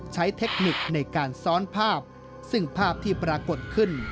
เทคนิคในการซ้อนภาพซึ่งภาพที่ปรากฏขึ้น